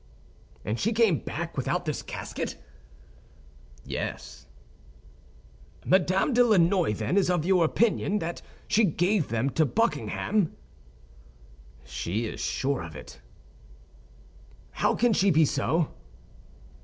"And she came back without this casket?" "Yes." "Madame de Lannoy, then, is of opinion that she gave them to Buckingham?" "She is sure of it." "How can she be so?"